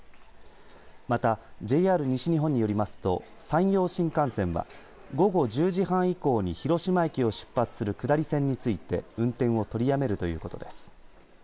また、ＪＲ西日本によりますと山陽新幹線は午後１０時半以降に広島駅を出発する下り線について運転を取りやめるということです。